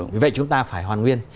vì vậy chúng ta phải hoàn nguyên